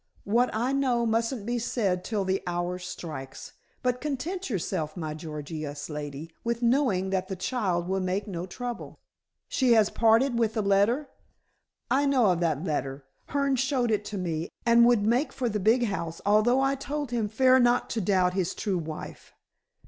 "What I know mustn't be said till the hour strikes. But content yourself, my Gorgious lady, with knowing that the child will make no trouble." "She has parted with the letter?" "I know of that letter. Hearne showed it to me, and would make for the big house, although I told him fair not to doubt his true wife."